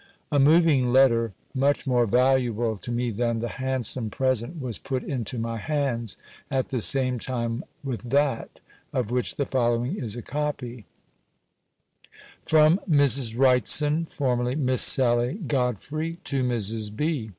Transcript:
A moving letter, much more valuable to me than the handsome present, was put into my hands, at the same time with that; of which the following is a copy: _From Mrs. Wrightson (formerly Miss Sally Godfrey) to Mrs. B.